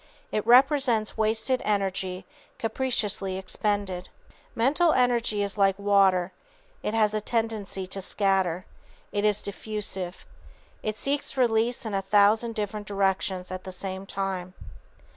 It represents wasted energy capriciously expended. Mental energy is like water: it has a tendency to scatter. It is diffusive. It seeks release in a thousand different directions at the same time.